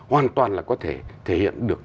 hoàn toàn là có thể thể hiện được